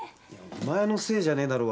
お前のせいじゃねえだろ。